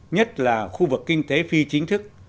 nhất là khu vực kinh tế phi chính thức